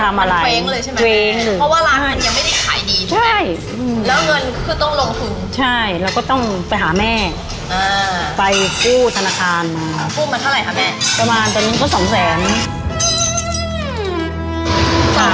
สามแสนบาทเนี้ยลงไปกับอะไรบ้างค่ะแม่ซื้อเก้าอี้ซื้อซื้ออุปกรณ์ใหม่ใช่